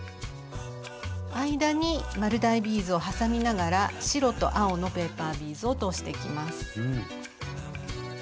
間に丸大ビーズを挟みながら白と青のペーパービーズを通していきます。